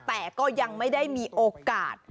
แต่ก็ยังไม่ได้มีโอกาส